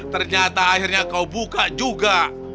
ternyata akhirnya kau buka juga